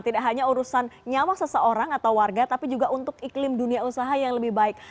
tidak hanya urusan nyawa seseorang atau warga tapi juga untuk iklim dunia usaha yang lebih baik